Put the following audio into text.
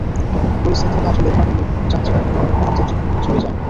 গুলিস্তান থেকে আসা লেগুনাগুলো যাত্রী নামিয়ে অপেক্ষমাণ যাত্রীদের নিয়ে চলে যায়।